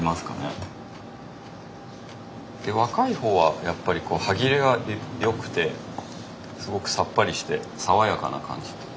若いほうはやっぱり歯切れがよくてすごくさっぱりして爽やかな感じ。